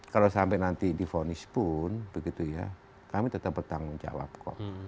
kalau sampai nanti difonis pun begitu ya kami tetap bertanggung jawab kok